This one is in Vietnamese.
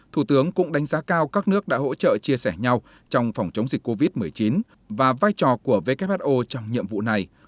thủ tướng cũng đánh giá cao các nước đã hỗ trợ chia sẻ nhau trong phòng chống dịch covid một mươi chín và vai trò của who trong nhiệm vụ này